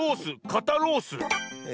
「かたロース」。